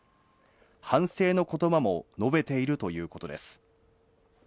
反省の言葉も述べているということです。